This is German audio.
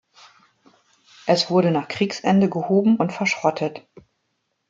Es wurde nach Kriegsende gehoben und verschrottet.